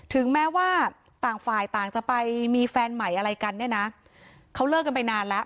ถึงแม้ว่าต่างฝ่ายต่างจะไปมีแฟนใหม่อะไรกันเนี่ยนะเขาเลิกกันไปนานแล้ว